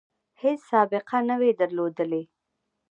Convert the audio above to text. هیڅ سابقه نه وي درلودلې.